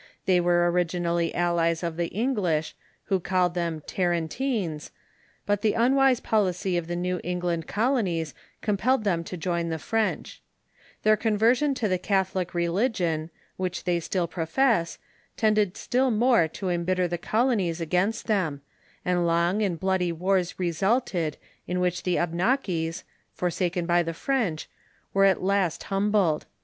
They were originally allies of the English, who called them "Taranteens," but the unwise policy of the New England colonies compelled them to join the French, Their conversion to the catholic religion, which they stUl profess^ tended still more to embitter the colonies against them, and long and bloody wars resulted, in which the Abnakis, forsaken by tlie French, were at last ham< bled.